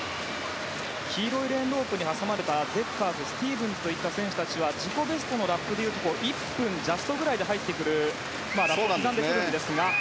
黄色いレーンロープに挟まれた、デッカーズスティーブンズといった選手たちは自己ベストのラップでいうと１分ジャストくらいで入ってくるラップを刻んでくるんですが。